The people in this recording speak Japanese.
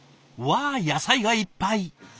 わあ野菜がいっぱい。